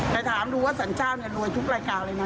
แต่ถามดูว่าสรรจาวรวยทุกรายการเลย